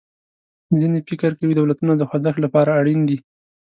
ځینې فکر کوي دولتونه د خوځښت له پاره اړین دي.